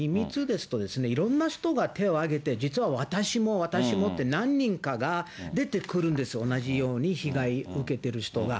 ＭｅＴｏｏですと、いろんな人が手を挙げて、実は私も、私もって、何人かが出てくるんですよ、同じように被害受けてる人が。